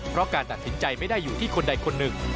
เพราะการตัดสินใจไม่ได้อยู่ที่คนใดคนหนึ่ง